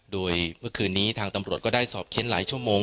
โดยเมื่อคืนนี้ทางตำรวจก็ได้สอบเค้นหลายชั่วโมง